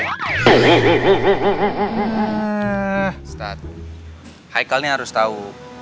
ustadz haikal ini harus tau